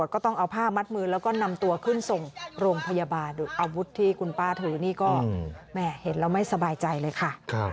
ก็นำตัวขึ้นส่งโรงพยาบาลอาวุธที่คุณป้าถือนี่ก็เห็นเราไม่สบายใจเลยค่ะ